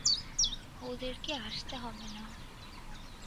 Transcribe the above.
ওদেরকে আসতে হবে না।